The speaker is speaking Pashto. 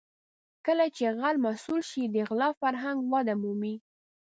کله چې غل مسوول شي د غلا فرهنګ وده مومي.